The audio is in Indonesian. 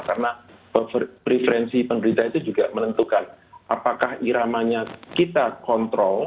karena preferensi pemerintah itu juga menentukan apakah iramanya kita kontrol